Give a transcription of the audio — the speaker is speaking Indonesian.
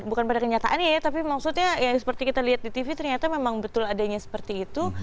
bukan pada kenyataannya ya tapi maksudnya ya seperti kita lihat di tv ternyata memang betul adanya seperti itu